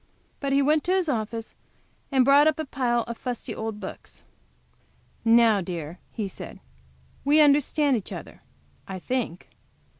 But he went to his office, and brought up a pile of fusty old books. "Now, dear," he said, "we understand each other I think.